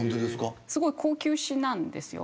すごい高級紙なんですよ。